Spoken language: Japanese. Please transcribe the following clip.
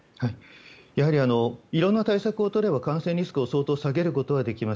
色んな対策を取れば感染リスクを相当下げることはできます。